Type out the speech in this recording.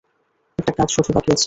একটা কাজ শুধু বাকী আছে!